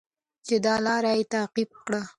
چې دا لاره یې تعقیب کړه.